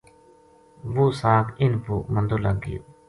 وہ ساگ اِنھ پو مندو لگ گیو